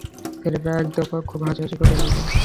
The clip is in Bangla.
ছেলেরা একদফা খুব হাসাহাসি করে নিলে।